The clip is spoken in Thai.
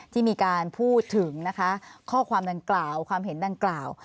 ที่มีการพูดถึงนะคะข้อความดังกล่าวความเห็นดังกล่าว